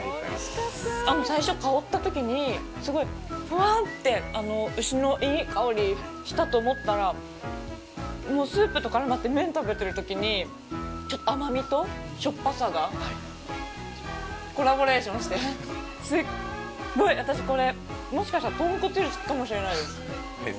最初、香ったときに、すごいふわんって牛のいい香りがしたと思ったらスープとからまって、麺食べてるときに甘みとしょっぱさがコラボレーションしてすっごい、私これ、もしかしたら豚骨より好きかもしれないです。